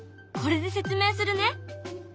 これで説明するね。